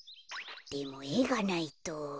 でもえがないと。